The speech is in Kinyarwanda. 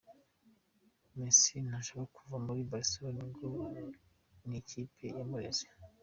Mesi ntashaka kuva muri Baricelone ngo nikipe yamureze